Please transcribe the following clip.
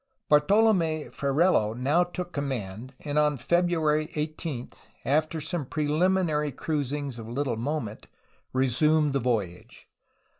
Bartolome Ferrelo now took command, and on February 18, after some preliminary cruisings of little moment, resumed the voyage.